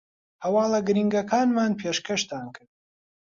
هەواڵە گرینگەکانمان پێشکەشتان کرد